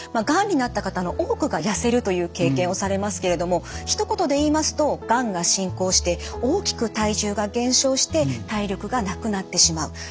がんになった方の多くがやせるという経験をされますけれどもひと言で言いますとがんが進行して大きく体重が減少して体力がなくなってしまう。